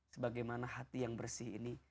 sebagaimana hati yang bersih ini